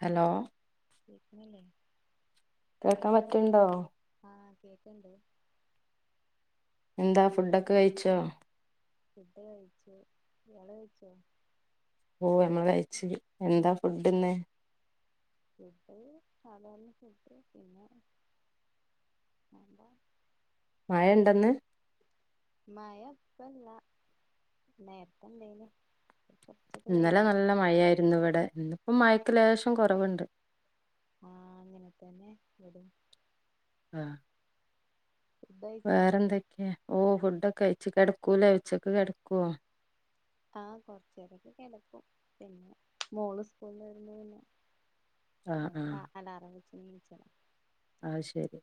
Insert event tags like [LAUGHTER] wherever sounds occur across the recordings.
Hello [UNINTELLIGIBLE] നടക്കാൻ പറ്റ്ണ്ടോ ആ കേക്ക്ണ്ട് എന്താ ഫുഡൊക്കെഴിച്ചോ ഫുഡ് കഴിച്ചു ഇയാള് കഴിച്ചോ ഓ നമ്മള് കഴിച്ച് എന്താ ഫുഡ്ന്ന് ഫുഡ് സാധാരണ ഫുഡ് പിന്നെ [UNINTELLIGIBLE] മഴ ഇണ്ടെന്ന് മഴ ഇപ്പല്ല നേരത്തെണ്ടേനു ഇന്നലെ നല്ല മഴയായിരുന്നു ഇവിടെ ഇന്ന് ഇപ്പം മയക്ക്ലേശം കുറവെണ്ട് ആ അങ്ങനെ തന്നെ വരും ആ കഴിച്ചില്ലേ വേറെന്തൊക്കെയാ ഓ ഫുഡൊക്കെ കഴിച്ച് കെടക്കൂലെ ഉച്ചക്ക് കെടക്കുവോ ആ കൊറച്ച് നേരൊക്കെ കിടക്കും പിന്നെ മോള് സ്കൂൾന്ന് വരുമ്പോ ആഹ് പിന്നെ അ അലാറം വെ ക്ഷീണിച്ച അത്ശെരി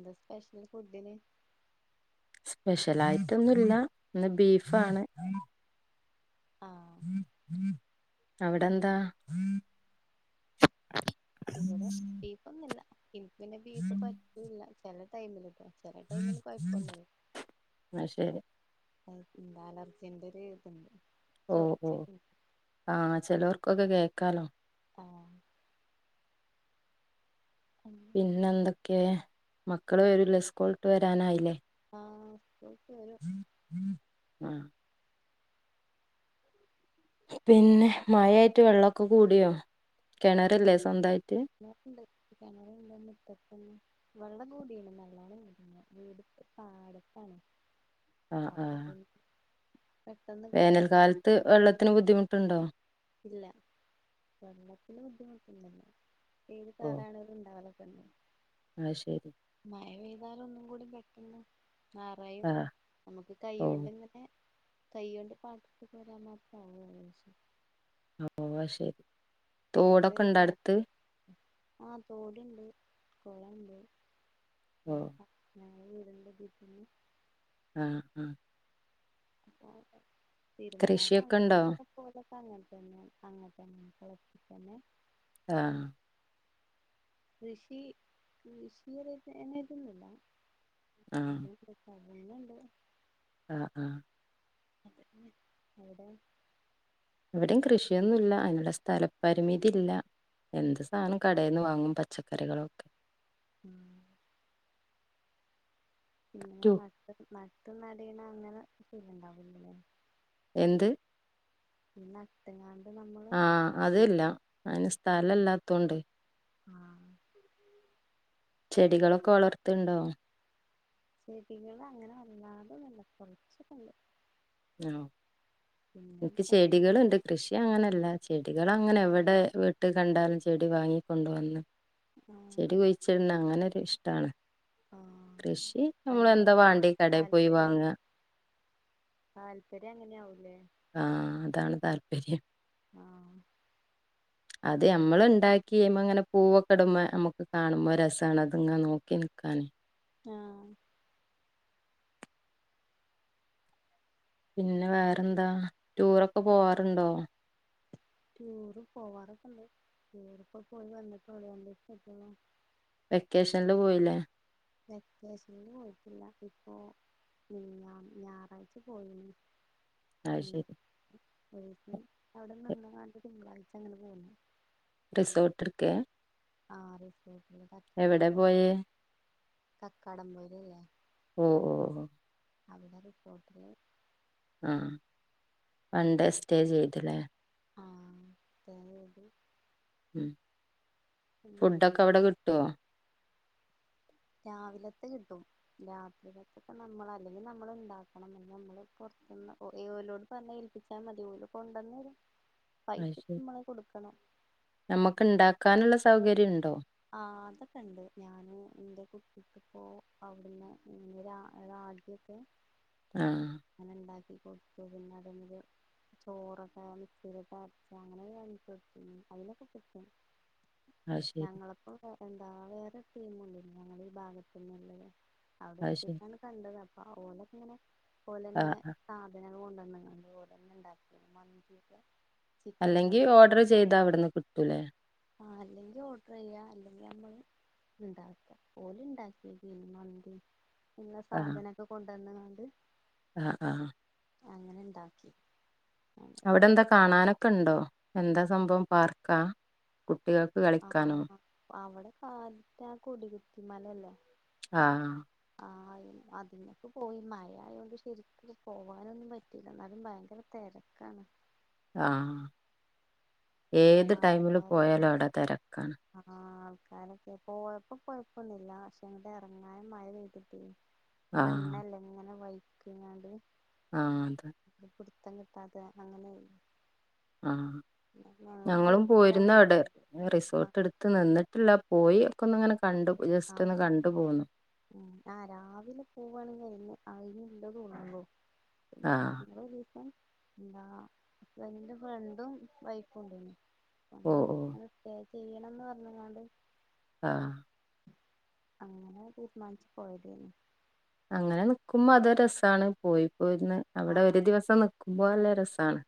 [INAUDIBLE] സ്പെഷ്യൽ ഫുഡിന് സ്പെഷ്യൽ ആയിട്ടൊന്നു ഇല്ല ഇന്ന് ബീഫാണ് ആഹ് അവിടെന്താ ഇവിടെ ബീഫ്ഒന്നുല്ല [UNINTELLIGIBLE] പിന്നെ ബീഫ് പറ്റൂല്ല ചെല് ടൈംലിക ചെല ടൈമില് കൊഴപ്പൊന്നില്ല അത് ശരി [INAUDIBLE] അലർജിന്റെ ഒരു ഇതെണ്ട് ഓ ഓ ആ ചിലവർക് കൊത് കേക്കാലോ ആ പിന്നെ എന്തൊക്കെ മക്കള് വരില്ല സ്കൂൾട്ട് വരാനായില്ലേ? ആ [INAUDIBLE] അ പിന്നെ മായായിട്ട് വെള്ളമൊക്കെ കൂടിയോ കിണറല്ലേ സ്വന്തായി എന്നാനണ്ടട്ടപ്പ [UNINTELLIGIBLE] വെള്ളം കൂടിയിന് നല്ലണം കടന്ന വീട് പടുത്താണ് ആഹ് അപ്പോ ആഹ് പിന്ന വേനൽക്കാലത്ത് വെള്ളത്തിന് ബുദ്ധിമുട്ട് ട്ടുണ്ടോ ഇല്ല വെള്ളത്തിന് ബുദ്ധിമുട്ട്ല്ലാന് ഓ [UNINTELLIGIBLE] [INAUDIBLE] അത് ശരി മഴ പെയ്താല ഒന്ന് കൂടെ കെക്കുന്ന നറയും ആഹ് നമുക്ക് ഓ കൈകൊണ്ട്ിങ്ങനെ കൈ കൊണ്ട് [UNINTELLIGIBLE] വരാൻ മാത്രാ [UNINTELLIGIBLE] [UNINTELLIGIBLE] തോടൊക്കെ ഇണ്ടോ വീട്ടിലിരിക്കാ അടുത്ത് ആഹ തോടുണ്ട് കോളൊണ്ട് ഓ എടുക്ക അ ഇരണ്ട [UNINTELLIGIBLE] അഹ് അഹ് [INAUDIBLE] [UNINTELLIGIBLE] കൃഷിയൊക്കെ ഉണ്ടോ അണക്കെട്ടൊക്കെപോലെ അങ്ങനെ തന്നെ അങ്ങനെ തന്നെ കുളത്തി തന്നെ ആഹ കൃഷി കൃഷിയനെ ഇതൊന്നല്ല [INAUDIBLE] പിന്നണ്ട് ആഹ ആഹ അ അവിടെ ഇവിടയും കൃഷിയൊന്നുംല്ല അയിനുള്ള സ്ഥലപരിമിതി ഇല്ല എന്ത് സാധനം കടയിൽന്ന് വാങ്ങും പച്ചക്കറികളൊക്കെ ഉം പിന്നെ റ്റു ന അ നടയണം അങ്ങനെ ചെയ്യണ്ടാവില്ലേ എന്ത് എന്നട്ടങ്ങ ആഹ അതല്ല അയിന് സ് സ്ഥലല്ലാത്തോണ്ടേ ആഹ ചെടികളൊക്കെ വളർത്ത്ണ്ടോ? ചെടികള് അങ്ങനെ വല്ലാതൊന്നല്ല. കൊർച്ചൊക്കണ്ട്. ആ ഇൻക്ക് പച്ച ചെടികള് ണ്ട്. കൃഷിയ അങ്ങനെല്ലാ ചെടികള് അങ്ങനെ എവിടെ വീട്ട് കണ്ടാലും ചെടി വാങ്ങിക്കൊണ്ട് വന്ന്. ആ ചെടി കൊഴിച്ചിടുന്ന അങ്ങനെ ഇഷ്ടാണ്- ആ കൃഷി നമ്മള അയിനോട് എന്താ വാണ്ടി കടയി പോയി വാങ്ങ- ആ താല്പര്യം അങ്ങനെയാവൂല്ലേ? ആഹ അതാണ് താല്പര്യം- ആഹ് - അത് നമ്മള് ഉണ്ടാക്കികയ്യുമ്പോ അങ്ങനെ പൂവൊക്കിടുമ്പോ നമ്മുക്ക് കാണുമ്പോ രസമാണ് അത്ങ്ങനെ നോക്കി നിക്കനെ- ആഹ് പിന്നെ വേറെന്താ ടൂറൊക്കെ പോവാറുണ്ടോ? ടൂറ് പോവാറൊക്കെണ്ട് ടൂറിപ്പോ പോയി വന്നിട്ടേയുള്ളു [UNINTELLIGIBLE] വെക്കേഷനില് പോയില്ലേ വെക്കേഷൻ പോയിട്ടില്ല ഇപ്പോ പിന്നെ ഞായറാഴ്ച പോയിന്ന്- ആ ശരി- ഒരീസം അവിടെ നിന്ന്കാണ്ട് തിങ്കളാഴ്ച ഇങ്ങഡ് പൊന്നു- റിസോർട്ട് ഇടക്കെ- ആ റിസോർട്ട്- കക്കാടം പുഴ പോയേ കക്കാടം പോയാലെ ലെ- ഓ ഓ- അവിടെ റിസോർട്ടിൽ ആ വൺ ഡേ സ്റ്റേ ചെയ്തില്ലേ [INAUDIBLE] ഉം പിന്നെ ഫുഡൊക്കെ അവിടെ കിട്ടുവോ രാവിലത്ത കിട്ടും രാത്രി ത്തൊക്കെ നമ്മൾ അല്ലെങ്കിൽ നമ്മൾ ണ്ടാക്കണം നമ്മള് പുറത്തുന്ന് ഓലോഡ് പറഞ്ഞ ഏൽപ്പിച്ചാൽ മതിഓൽ കൊണ്ടന്നരും അ യ് പൈസക്ക് ശരി നമ്മള് കൊടുക്കണം നമ്മുക്ക് ഇണ്ട ക്കാനുള്ള സൗകര്യം ഉണ്ടോ ആ അതൊക്കെ ഉണ്ട് ഞാന് എന്റെ കുട്ടിക്ക്പ്പോ അവിടുന്ന് രാ രാഗി ഒക്കെ ആഹ് അങ്ങനെണ്ടാക്കി കൊടുത്തു പിന്നെ അത ചോറക്കെ മിക്സിലിറ്റ് അരച്ച അങ്ങനെ ഞാൻ കൊട്ത്തീന് അയ്നോക്കെ പറ്റും അയ്ശരി എന്താ വേറെ ടിമും ഉണ്ടായിരുന്നു ഞങ്ങളുടെ ഈ ഭാഗത്ത് ഉള്ളത് അവിടെ അത് ശരി എത്തിപണ് കണ്ടത് അ ആ ഒലക്കേങ്ങനെ പോലെന്നെ ആഹ് ആഹ് സാധ [UNINTELLIGIBLE] കൊണ്ടന്ന്ങ്ങാണ്ട് ഓലെന്നെ ണ്ടാക്കി മന്തി ഒക്കെ അല്ലെങ്കി ഓർഡർ ചെയ്താ അവ്ട്ന്ന് ക് ലേ ആ അല്ലെങ്കി ഓർഡറെയ്യാ അല്ലെങ്കി മ്മള് ണ്ടാക്ക ഓല് ഇണ്ടാക്കിയത് മന്തി നിങ്ങെ സാധനൊക്കെ കൊണ്ടന്ന്ണ്. ന്ത് അ ആ അങ്ങന ണ്ടാക്കി. അവിടെ ന്താ കാണാനൊ ക്കണ്ടോ എന്താ സംഭവം പാർക്ക കു ആഹ അ അവടെ ആ അതാ കൊടികുത്തി മലല്ലേ. ആഹ ആ അതിനൊക്ക പോയി മഴ ആയൊണ്ട് ശരിക്കും പോവാനൊന്നും പറ്റില്ല ന്നാലും ഭയങ്കര തെരക്കാണ്. ആ ഏത് ടൈമില് ആൾക്കാരൊക്കെ പോയാലും അവ്ടെ തെരക്കാണ്. കാലൊക്കെ പോഴപ്പം കൊഴപ്പൊന്നില്ല ക്ഷെ ങ്ങട്ട് എറങ്ങാൻ മഴ പെയ്തിട്ടെ മണ്ണല്ലെങ്ങനെ വൈ കയിഞ്ഞാണ്ട് ആ അത തന്നെത്താത്തേ അങ്ങനെയ് ആ ഞങ്ങളും ജീപ്പിലാ പോയിരുന്നവ്ടെ പോയിരുന്നത് റിസോർട്ട് ആഹ് ട്ത്ത് നിന്നിട്ടില്ല പോ പോയ്യോ ഒകൊന്ന്ങ്ങനെ കണ്ടു ജസ്റ്റ് ഒന്ന് കണ്ടു പോന്ന് മ് ആ രാവിലെ പോവ്വാണെങ്കിന്നെ അഴഞ്ഞി [UNINTELLIGIBLE] ആഹ് [UNINTELLIGIBLE] ഒരൂസം ന്താ എന്റെ ഫ്രണ്ടും വൈഫുംണ്ടേനി. ഓ ഞങ്ങൾ ഓ [UNINTELLIGIBLE] ചെയ്യണന്ന് പറഞ്ഞ്ങ്ങാണ്ട് ആ അങ്ങനെ പി മഞ്ച് പോയ്തേനു. അങ്ങനെ നിക്കുമ്പ അതോരസാണ് പോയ് പോര്ണ് അവിടെ ഒരു ദിവസം നിക്കും പോവല്ലേ രസാണ്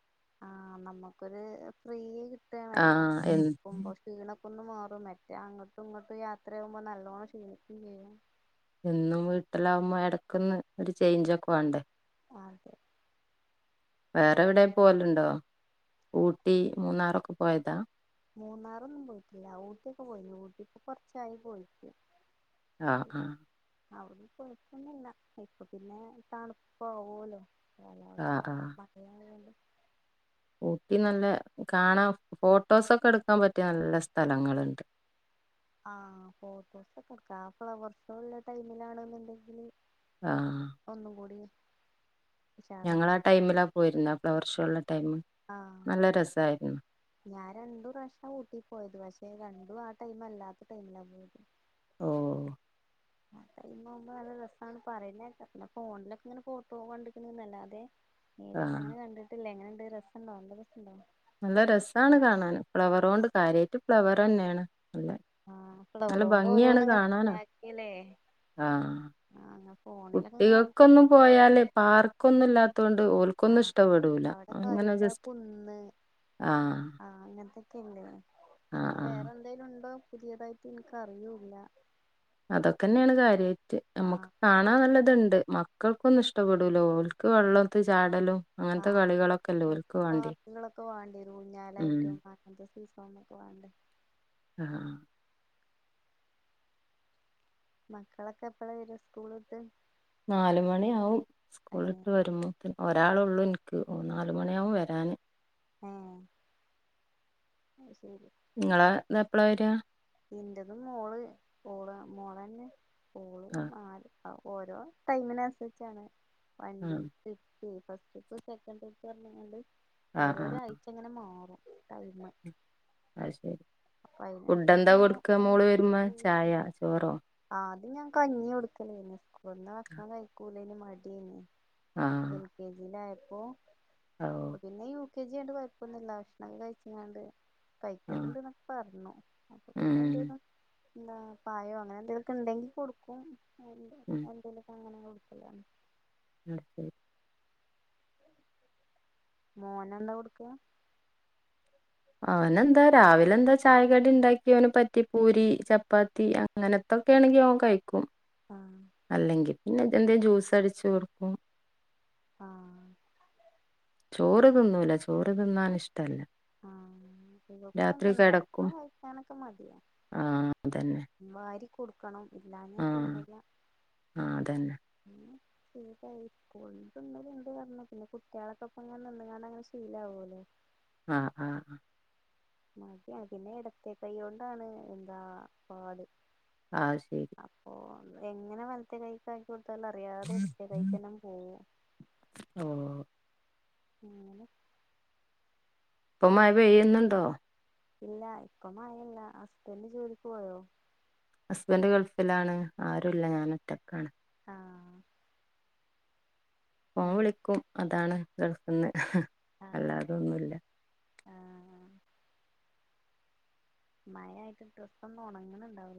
ആ നമ്മുക്കൊരു ഫ്രീ കിട്ടാണല്ലോ ആഹ് എ നിക്കുമ്പോ ഷീണ ന്ന് മാറും മറ്റേ അങ്ങോട്ടും ഇങ്ങോട്ട് യാത്രയാകുമ്പോ നല്ലവോണം ഷീണിക്കും ചെയ്യും എന്നും വീട്ടിലാവുമ്പോ എടക്കൊന്ന് ഒരു ചേയ്ഞ്ചൊക്കെ വേണ്ടേ അതെ വേറെ എവിടേം പോവലുണ്ടോ ഊട്ടി മൂന്നാറൊക്കെ പോയതാ മൂന്നാറൊന്നും പോയിട്ടില്ല ഊട്ടിയൊക്കെ പോയി ഊട്ടിക്ക് കൊറച്ചായി പോയിട്ട് അ അ അവിടൊന്നും കൊഴപ്പൊന്നില്ല ഇപ്പൊ പിന്നെ തണുപ്പാവുല്ലോ ആഹ് കാലാവസ്ഥ ആഹ് മഴയായാലും ഊട്ടി നല്ല കാണാം ഫോട്ടോസൊക്കെ എടുക്കാൻ പറ്റിയ നല്ല സ്ഥലങ്ങളുണ്ട് ആ ഫോട്ടോസൊക്കെടുക്ക ആ ഫ്ലവർ ഷോ ഒള്ള ടൈമിലാണെന്നുണ്ടെങ്കില് ഒന്നും കൂടീം ഞങ്ങള ആ ടൈമിലാ പോയിരുന്നേ ഫ്ലവർഷോള്ള ആ ഞാൻ രണ്ടു പ്രാവശ്യാ ഊട്ടി പോയത് പക്ഷേ രണ്ടു ആ ടൈമ അല്ലാത്ത ടൈമിലാ പോയത് ഓ ആ ടൈം ആകുമ്പോ നല്ല രസാണ് പറയുന്ന കേക്കാം പിന്നെ ഫോണിലൊക്കെ ഇങ്ങനെ ഫോട്ടോ കണ്ടിരിക്കുന്നൂന്നല്ലാതെ ആഹ് നേരിട്ടങ്ങനെ കണ്ടിട്ടില്ല എങ്ങനെ രസ്സൊണ്ടാവും നല്ല രസ്സൊണ്ടാവും നല്ല രസ്സാണ് കാണാന് ഫ്ലവറ് കൊണ്ട് കാര്യായിട്ട് ഫ്ലവറ് തന്നെയാണ് നല്ല ആ നല്ല ഫ്ലവറ് കൊണ്ട് ഭംഗിയാണ് ഓരോന്ന് ഇങ്ങനെ കാണാനാ ഇണ്ടാക്കിയല്ലേ ആഹ് ആ കുട്ടികൾക്കൊന്നും പോയാല് പാർക്കൊ ന്ന [UNINTELLIGIBLE] ത്തൊണ്ട് ഓർക്കൊന്നും ആ ഇഷ്ടപ്പെടൂല്ല അവിടെ അങ്ങനെ കാര്യായിട്ട് ആ ജസ്റ്റ് കുന്ന് ആ പിന്നെ പിന്നെ വേറെന്തേലും ഉണ്ടോ പുതിയതായിട്ട് എനിക്കറിയൂല്ല അതൊക്കെന്നെയാണ് കാര്യായിട്ട് ആ നമ്മുക്ക് കാണാൻ നല്ലത് ണ്ട് മക്കൾക്കൊന്നും ഇഷ്ടപ്പെടൂലാ ഓർക്ക് വെള്ളത്തി ചാടലും ആ അങ്ങനത്തെ കളികളൊക്കെല്ലേ ഓൽക്ക് വാണ്ടിയെ പാർക്കുകളൊക്കെ വേണ്ടിരുന്നു ഉം ഊഞ്ഞാലായിട്ടും പതിന [UNINTELLIGIBLE] അങ്ങനെയൊക്കെ വണ്ടേ ആ മക്കളൊക്കെ എപ്പഴാ വരാ സ്കൂള് വിട്ട് നാല് ഏ ഒരാളേ ഒള്ളു എനിക്ക് ഓൻ നാലു മണിയാവും വരാന് ആ ങ്ങളെ ഇന്നെപ്പളാ വരാ എന്റതും മോള് മോള് മോള് തന്നെ ആ ആ ഓരോ ടൈമിനനുസരിച്ചാണ് വണ്ടി ആഹ് [UNINTELLIGIBLE] ഫസ്റ്റ് ട്രിപ്പ്‌ സെക്കൻട്രിപ്പ്‌ അങ്ങനൊണ്ട് ആഹ് ഓരോരോ ആഹ് ആഴ്ച അങ്ങനെ മാറും ടൈമ് അത് ശരി അപ്പൊ അതിനനുസരിച്ച് ഫുഡെന്താ കൊടു ക്ക മോള് വരുമ്പോ ചായാ ചോറോ അത് ഞാൻ കഞ്ഞിയാ കൊടുക്കലയിന് [UNINTELLIGIBLE] വക്ഷണം കഴിക്കൂ [UNINTELLIGIBLE] മടിയെന്ന് ആഹ് എൽ കെ ജി ലായ അപ്പോ ഓ അ പിന്നയു കെ ജിയണ്ട് കുഴപ്പൊന്നില്ല ഭക്ഷ്ണൊക്കെ കഴിച്ച് ക്കാണ്ട് ആഹ് കഴക്കലിണ്ട്ന്നൊക്കെ പറഞ്ഞു ഉം പിന്നെന്തേലും എന്താ പായോ അങ്ങനെ എന്തേലൊക്കെ ഉണ്ടെങ്കി കൊടുക്കും ഉം എന്തെലൊക്കെ അങ്ങനെ സുഗാണ് അ ശരി മോനന്താ കൊടുക്കാ അവനെന്താ രാവിലെ എന്താ ചായക്കടി ഉണ്ടാക്കിയ ഓന് പറ്റി പൂരി ചപ്പാത്തി അങ്ങനത്തൊക്കെ ആണെങ്കി ഓൻ കഴി ക്കും ആഹ് അല്ലെങ്കിൽ പിന്നെ എന്തേ ജ്യൂസ് അടിച്ചു കൊടുക്കും ആ ചോറ് തിന്നൂല ചോറ് തിന്നാൻ ഇഷ്ടല്ല ആ ഇവക്കും രാത്രി കിടക്കും അങ്ങനെത്തന്നെഭക്ഷണം കഴിക്കാനൊക്കെ മടിയാ വാരിക്കെ കൊടുക്കണം ഇല്ലാഞ്ഞാ ആ ആ അതന്നെ ഉം [UNINTELLIGIBLE] സ്കൂൾന്ന് തിന്നല്ണ്ട്ന്ന് പറഞ്ഞ് പിന്നെ കുട്ട്യാളൊപ്പക്കെ ഇങ്ങനെ നിന്ന കണ്ടങ്ങനെ ശീലാവല്ലോ ആ ആ ആ മതി അതിനെ ഇടത്തെ കൈ കൊണ്ടാണ് എന്താ പാട് ആഹ ശരി അപ്പൊ എങ്ങനെ വലത്തെ കൈക്ക ആക്കി യൊട് [UNINTELLIGIBLE] അറിയാതെ ഇടത്തേ കഴിക്കെന്നെ പോവും ഓ അങ്ങനെ ഇപ്പ മഴപെയ്യുന്നുണ്ടോ ഇല്ല ഇപ്പ മഴ ഇല്ല ഹസ്ബന്റ് ജോലിക്ക് പോയോ ഹസ്ബൻഡ് ഗൾഫിലാണ് ആരുല്ല ഞാൻ ഒറ്റക്കാണ് ആഹ് ഫോൺ ഉം വിളിക്കും അതാണ് [UNINTELLIGIBLE] പിന്നെ ആഹ് അല്ലാതൊന്നുല്ല ആഹ് മഴയായിട്ട് ഡ്രസ്സൊന്നും ഉണങ്ങുന്നണ്ടാവി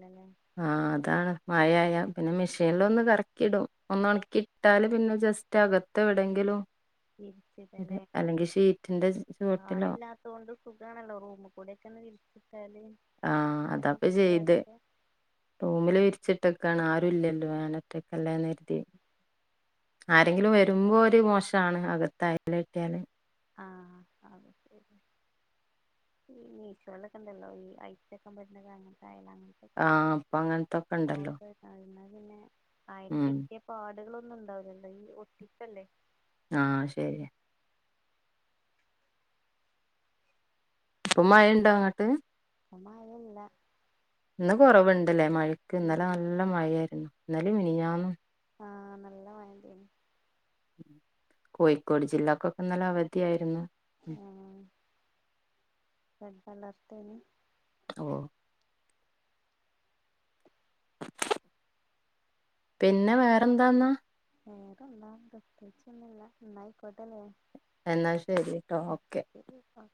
ആഹ അതാണ് മഴയായ പിന്നെ മെഷീനിലൊന്ന് കറക്കി ഇടും ഒന്ന് ഉണക്കി ഇട്ടാല് പിന്നെ ജസ്റ്റ് അകത്ത് [INAUDIBLE] വിരിച്ചിടല്ലേ അല്ലെങ്കിൽ ഷീറ്റിന്റെ ചുവട്ടിലോ ആളില്ലാത്തോണ്ട് സുഖാണല്ലോ റൂമുക്കൂടെക്കെന്ന് വിരി ആഹ് അതാപ്പോ ചെയ്തേ റൂമില് വിരിച്ച് വെക്കണം ആരുഇല്ലലോ വേന [UNINTELLIGIBLE] ഒറ്റക്കെല്ലന്ന് കരുതിയാ ആരെങ്കിലും വരുമ്പോ ഒരു മോശാണ് അകത്ത് അയലൽ വെക്കാൻ ആ അത് ശരി ഈ മിഷോയിലോക ഉണ്ടല്ലോ ഈ ഐസ് വെക്കാൻപറ്റുന്ന സാധനം ആ ഇപ്പൊ അങ്ങനത്തൊക്കെ ഉണ്ടല്ലോ ഓർഡർ എന്നാ പിന്നെ അയിൽ കിട്ടിയ പാടുകൾ ഒന്ന ഉണ്ടാവില്ലല്ലോ ഈ ഒട്ടിപ്പല്ലേ ആ ശരിയാ ഇപ്പം മഴ ഉണ്ടോ അങ്ങട്ട് എപ്പം മഴ ഇല്ല എപ്പം കുറവുണ്ടല്ലേ മഴക്ക് ഇന്നലെ നല്ല മഴയായിരുന്നു അല്ലെ അ വിീഞാാം [UNINTELLIGIBLE] ആഹ് നല്ല മഴണ്ടേനി മ് കോഴിക്കോട് ജില്ലക്കൊക്കെ ഇന്നലെ അവധിയായിരുന്നു. ആ റെഡ് അലർട്ട് തന്നെ ഓ പിന്നെ വേറെതൊന്ന വേറെന്താ പ്രത്യകിച്ച്ചൊന്നല്ലാ യിക്കോട്ടല്ലേ അല്ലെ എന്നാ ശരിട്ടോ ഓക്കെ ഓക്കെ